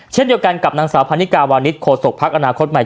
เช่นเดียวกันกับนังสาวพันธิกาวาณิชโฆษกษุภักดิ์อนาคตใหม่